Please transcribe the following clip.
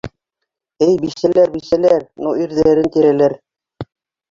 Эй, бисәләр, бисәләр, ну ирҙәрен тирәләр.